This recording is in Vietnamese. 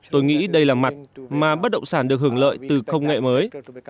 tôi nghĩ đây là mặt mà bất động sản được hưởng lợi từ công nghệ mới